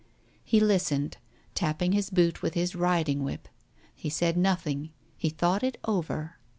He listened, tapping his boot with his riding whip. He said nothing. He thought it over.